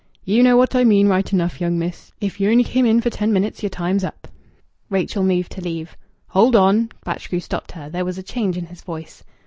"Ye know what I mean right enough, young miss!... If ye only came in for ten minutes yer time's up." Rachel moved to leave. "Hold on!" Batchgrew stopped her. There was a change in his voice.